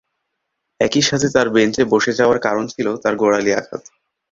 একই সাথে তার বেঞ্চে বসে যাওয়ার কারণ ছিল তার গোড়ালি আঘাত।